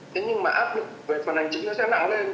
thế nhưng mà áp lực về phần hành chính nó sẽ nặng lên